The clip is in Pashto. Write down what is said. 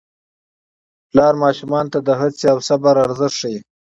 پلار ماشومانو ته د هڅې او صبر ارزښت ښيي